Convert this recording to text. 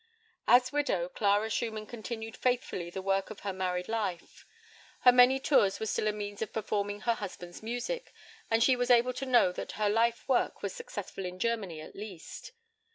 As widow, Clara Schumann continued faithfully the work of her married life. Her many tours were still a means of performing her husband's music, and she was able to know that her life work was successful in Germany at least.